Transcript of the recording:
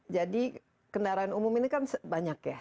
jadi kendaraan umum ini kan banyak ya